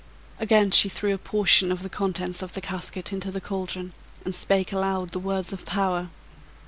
Again she threw a portion of the contents of the casket into the caldron, and "spake aloud the words of power."